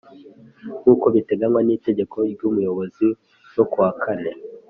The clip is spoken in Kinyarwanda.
nk uko biteganywa n itegeko ryu muyobozi ryo kuwa kane